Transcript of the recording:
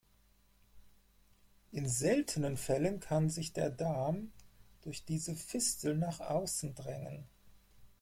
In seltenen Fällen kann sich der Darm durch diese Fistel nach außen drängen.